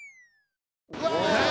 うわ！